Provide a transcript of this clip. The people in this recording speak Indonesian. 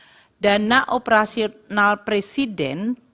dan dana operasional presiden